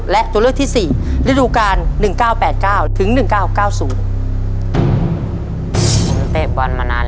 และตัวเลือกที่๔ฤดูการ๑๙๘๙๑๙๘๙